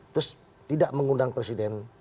terus tidak mengundang presiden